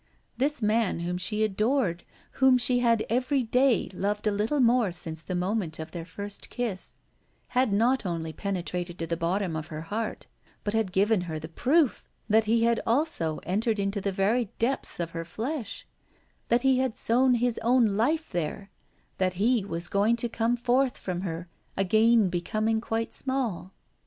This man whom she adored, whom she had every day loved a little more since the moment of their first kiss, had not only penetrated to the bottom of her heart, but had given her the proof that he had also entered into the very depths of her flesh, that he had sown his own life there, that he was going to come forth from her, again becoming quite small.